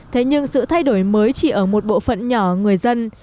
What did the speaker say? thế nhưng sự thay đổi mới chỉ ở một bộ phận nhỏ người dân